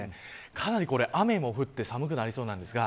かなり雨も降って寒くなりそうです。